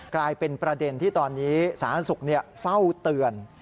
กลายเป็นประเด็นที่ตอนนี้ศาสตร์ศุกร์เนี่ยเฝ้าเตือน